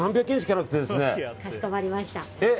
かしこまりました。